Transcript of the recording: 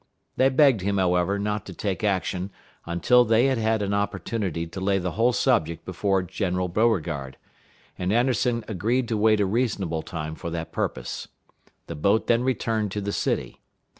They begged him, however, not to take action until they had had an opportunity to lay the whole subject before General Beauregard; and Anderson agreed to wait a reasonable time for that purpose. The boat then returned to the city.